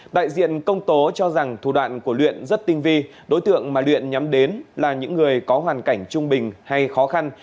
đại diện công tố cho rằng thủ đoạn của luyện rất tinh vi đối tượng mà luyện nhắm đến là những người có hoàn cảnh trung bình hay khó khăn